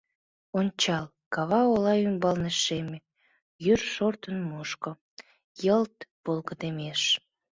Ончал, кава ола ӱмбалне шеме, Йӱр шортын мушко, йылт волгыдеммеш.